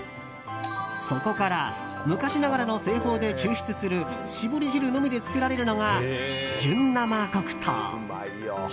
そこから昔ながらの製法で抽出する搾り汁のみで作られるのが純正黒糖。